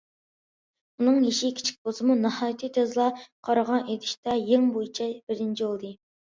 ئۇنىڭ يېشى كىچىك بولسىمۇ، ناھايىتى تېزلا قارىغا ئېتىشتا يىڭ بويىچە بىرىنچى بولغان.